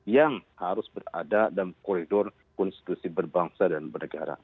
yang harus berada dalam koridor konstitusi berbangsa dan bernegara